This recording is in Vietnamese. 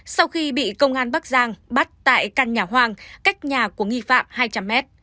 sau khi bị công an bắc giang bắt tại căn nhà hoang cách nhà của nghi phạm hai trăm linh m